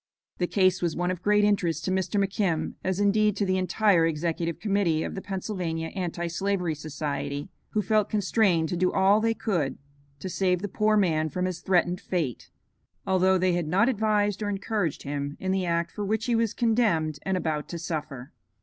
The case was one of great interest to Mr. McKim, as indeed to the entire Executive Committee of the Pennsylvania Anti slavery Society, who felt constrained to do all they could to save the poor man from his threatened fate, although they had not advised or encouraged him in the act for which he was condemned and about to suffer.